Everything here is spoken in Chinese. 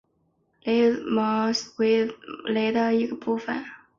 德雷下韦雷的一部分。